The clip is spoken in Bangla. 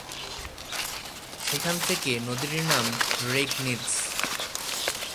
সেখান থেকে নদীটির নাম রেগনিৎজ।